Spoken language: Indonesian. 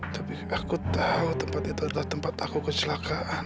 tapi aku tahu tempat itu adalah tempat aku kecelakaan